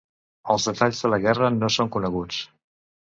Els detalls de la guerra no són coneguts.